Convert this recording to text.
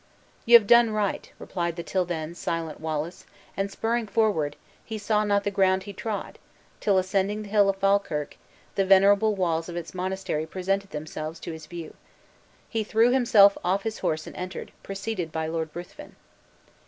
"You have done right," replied the till then, silent Wallace; and spurring forward, he saw not the ground he trod, till, ascending the hill of Falkirk, the venerable walls of its monastery presented themselves to his view. He threw himself off his horse and entered, preceded by Lord Ruthven.